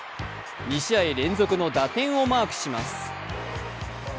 ２試合連続の打点をマークします。